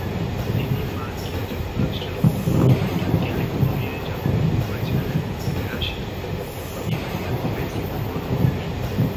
তিনি মার্কিন যুক্তরাষ্ট্রের উত্তর হলিউড, ক্যালিফোর্নিয়ায় জন্মগ্রহণ করেছিলেন এবং তিনি রাশিয়ান, ইহুদি এবং মেক্সিকান পটভূমির।